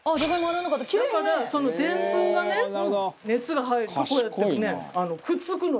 だからデンプンがね熱が入るとこうやってねくっつくのよ。